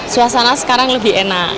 suasana sekarang lebih enak